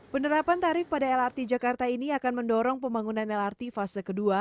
penerapan tarif pada lrt jakarta ini akan mendorong pembangunan lrt fase kedua